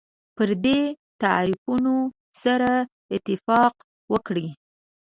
پر دې تعریفونو سره اتفاق وکړي.